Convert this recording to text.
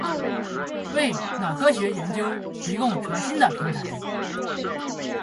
为脑科学研究提供全新的平台